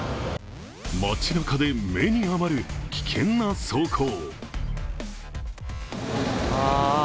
街なかで目に余る危険な走行。